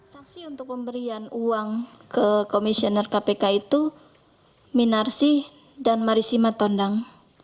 sanksi untuk pemberian uang ke komisioner kpk itu minarsi dan marisima tondang